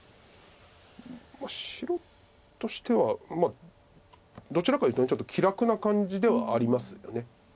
白としてはどちらかというとちょっと気楽な感じではありますよね。